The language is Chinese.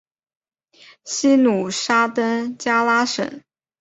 西努沙登加拉省。